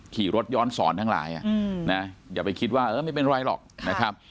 ขี่รถย้อนสอนทั้งหลายนะอย่าไปคิดว่าเออไม่เป็นไรหรอกนะครับ